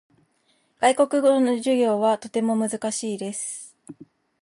外国語の授業はとても難しいです。